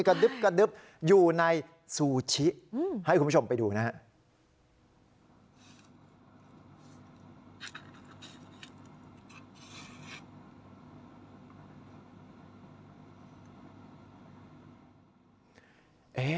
กระดึบอยู่ในซูชิให้คุณผู้ชมไปดูนะครับ